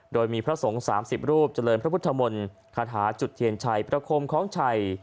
โดยมีพระสงฆ์๓๐รูปเจริญพระพุทธมนต์คาถาจุดเทียนชัยประคมของชัย